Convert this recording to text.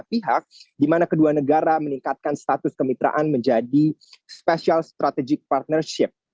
pihak di mana kedua negara meningkatkan status kemitraan menjadi special strategic partnership